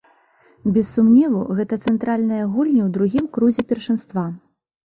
Без сумневу, гэта цэнтральныя гульні ў другім крузе першынства.